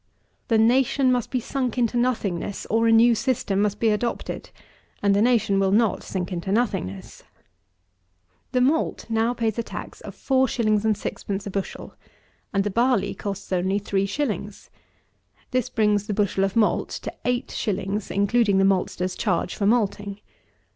The nation must be sunk into nothingness, or a new system must be adopted; and the nation will not sink into nothingness. The malt now pays a tax of 4_s._ 6_d._ a bushel, and the barley costs only 3_s._ This brings the bushel of malt to 8_s._ including the maltster's charge for malting.